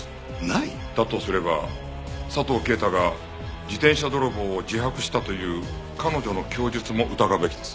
だとすれば佐藤啓太が自転車泥棒を自白したという彼女の供述も疑うべきです。